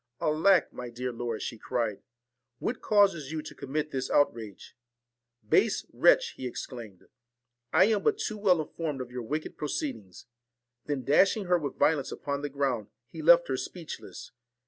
' Alack ! my dear lord,' she cried, ' what causes you to commit this outrage ?'' Base wretch !' he exclaimed, ' I am but too well informed of your wicked proceedings ;' then dash ing her with violence upon the ground, he left her speechless.